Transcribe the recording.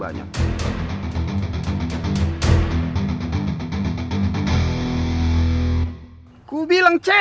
bisa buat lebih baik mungkin